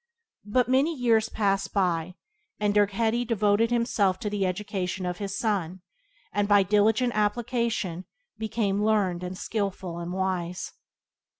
But many years passed away, and Dirgheti devoted himself to the education of his son, who by diligent application, became learned and skilful and wise.